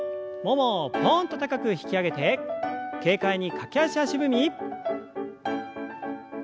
ももをぽんと高く引き上げて軽快に駆け足足踏み。